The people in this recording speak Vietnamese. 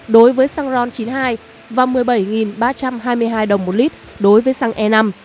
đối với xăng ron chín mươi hai và một mươi bảy ba trăm hai mươi hai đồng một lít đối với xăng e năm